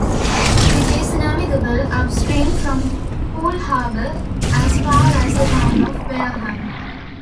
It is navigable upstream from Poole Harbour as far as the town of Wareham.